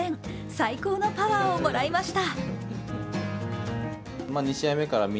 最高のパワーをもらいました。